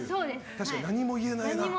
確かに何も言えないな。